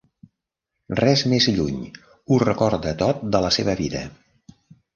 Res més lluny, ho recorda tot de la seva vida.